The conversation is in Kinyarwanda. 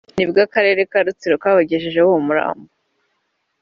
nibwo akarere ka Rutsiro kabagejejeho uwo murambo